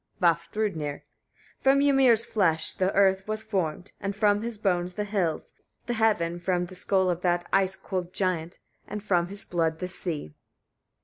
Vafthrûdnir. 21. From Ymir's flesh the earth was formed, and from his bones the hills, the heaven from the skull of that ice cold giant, and from his blood the sea.